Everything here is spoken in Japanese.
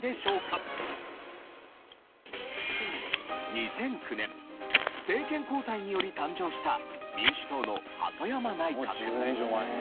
２００９年政権交代により誕生した民主党の鳩山内閣。